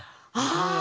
ああ！